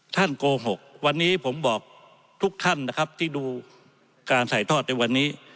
โกหกวันนี้ผมบอกทุกท่านนะครับที่ดูการถ่ายทอดในวันนี้